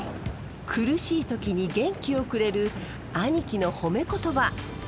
苦しい時に元気をくれる兄貴の誉め言葉。